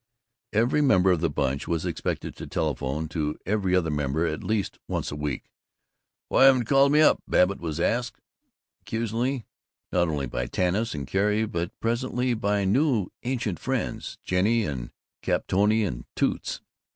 Every member of the Bunch was expected to telephone to every other member at least once a week. "Why haven't you called me up?" Babbitt was asked accusingly, not only by Tanis and Carrie but presently by new ancient friends, Jennie and Capitolina and Toots.